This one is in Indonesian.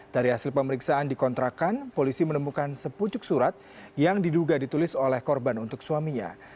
dari hasil pemeriksaan di kontrakan polisi menemukan sepucuk surat yang diduga ditulis oleh korban untuk suaminya